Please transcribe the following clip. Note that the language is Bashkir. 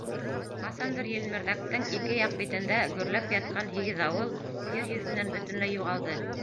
Ҡасандыр Елмерҙәктең ике яҡ битендә гөрләп ятҡан һигеҙ ауыл Ер йөҙөнән бөтөнләй юғалды.